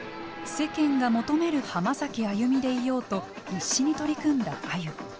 世間が求める「浜崎あゆみ」でいようと必死に取り組んだあゆ。